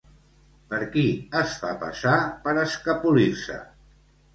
Per qui es fa passar per escapolir-se?